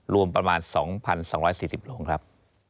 รวมประมาณ๒๒๔๐โรงครับ